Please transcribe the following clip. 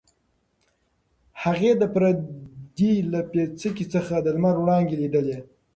هغې د پردې له پیڅکې څخه د لمر وړانګې لیدلې.